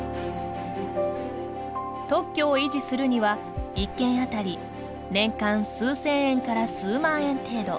特許を維持するには１件当たり年間、数千円から数万円程度。